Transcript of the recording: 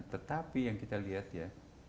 tetapi yang kita lihat ya